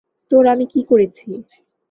তোর আমি কী করেছি!